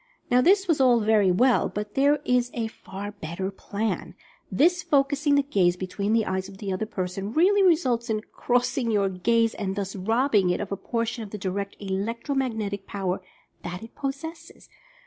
Now this was all very well, but there is a far better plan. This focusing the gaze between the eyes of the other person, really results in "crossing" your gaze, and thus robbing it of a portion of the direct electro magnetic power that it possesses.